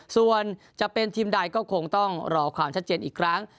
ส่วนจะเป็นทีมใดก็คงต้องรอความชัดเจนอีกครั้ง